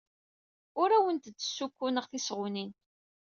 Ur awent-d-ssukkuneɣ tisɣunin.